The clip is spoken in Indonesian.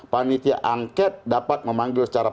panitia angket dapat memanggil secara